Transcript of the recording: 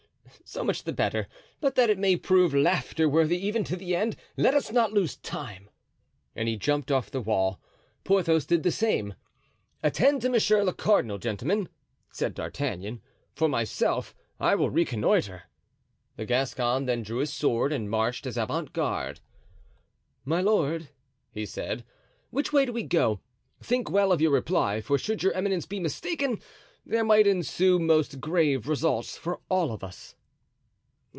so much the better; but that it may prove laughter worthy even to the end, let us not lose time." And he jumped off the wall. Porthos did the same. "Attend to monsieur le cardinal, gentlemen," said D'Artagnan; "for myself, I will reconnoitre." The Gascon then drew his sword and marched as avant guard. "My lord," he said, "which way do we go? Think well of your reply, for should your eminence be mistaken, there might ensue most grave results for all of us."